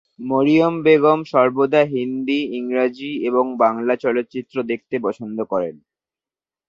মরিয়ম বেগম সর্বদা হিন্দি, ইংরেজি এবং বাংলা চলচ্চিত্র দেখতে পছন্দ করেন।